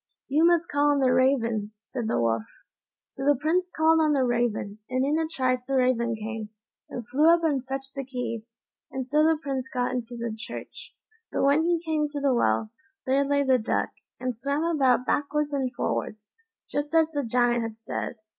"You must call on the raven," said the Wolf. So the Prince called on the raven, and in a trice the raven came, and flew up and fetched the keys, and so the Prince got into the church. But when he came to the well, there lay the duck, and swam about backwards and forwards, just as the Giant had said.